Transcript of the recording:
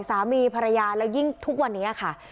สามีภรรยาแล้วยิ่งทุกวันนี้ค่ะ